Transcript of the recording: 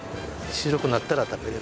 白くなったら食べられる。